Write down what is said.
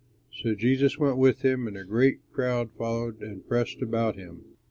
So Jesus went with him, and a great crowd followed and pressed about him.